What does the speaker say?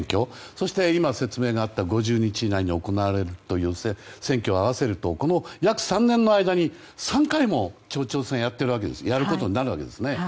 そして今説明があった５０日以内に行うという選挙を合わせると約３年の間に３回も町長選をやることになるわけです。